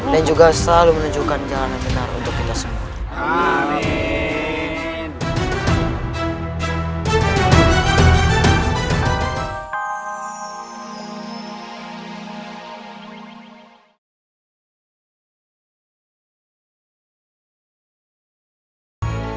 dan juga selalu menunjukkan jalan yang benar untuk kita semua